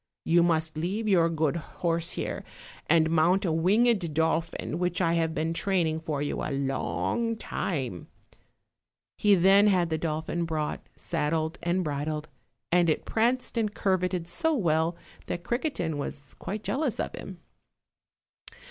You must leave your good horse here, and mount a winged dolphin which I have been training for you a long time;" he then had the dolphin brought, saddled and bridled, and it pranced and curveted so well that Criquetin was quite jealous of him.